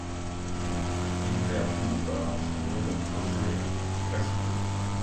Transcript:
InterViews a inspiré le projet Fresco.